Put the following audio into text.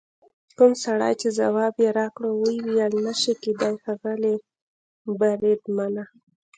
کوم سړي چې ځواب یې راکړ وویل: نه شي کېدای ښاغلي بریدمنه.